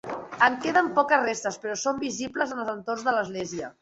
En queden poques restes, però són visibles en els entorns de l'església.